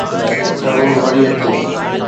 ضرور وري اچو